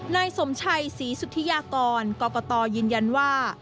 นายสมชัยศรีสุธิยากรกรกตยืนยันว่า